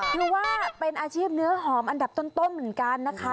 ถือว่าเป็นอาชีพเนื้อหอมอันดับต้นเหมือนกันนะคะ